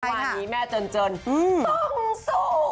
วันนี้แม่จนต้องสู้